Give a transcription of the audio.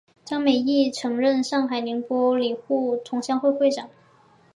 张美翊曾任上海宁波旅沪同乡会会长。